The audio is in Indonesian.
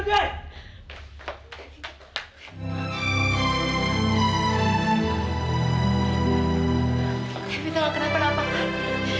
kayaknya kita gak kenapa kenapa kak